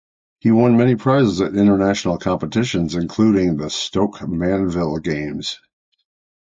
He won many prizes at international competitions including at the Stoke Mandeville Games.